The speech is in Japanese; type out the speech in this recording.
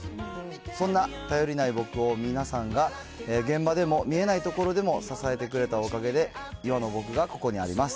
そんな頼りない僕を皆さんが現場でも、見えない所でも支えてくれたおかけで、今の僕がここにあります。